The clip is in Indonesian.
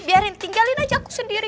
biarin tinggalin aja aku sendiri